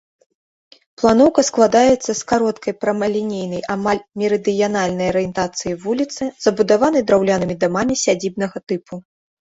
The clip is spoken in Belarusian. Планоўка складаецца з кароткай прамалінейнай амаль мерыдыянальнай арыентацыі вуліцы, забудаванай драўлянымі дамамі сядзібнага тыпу.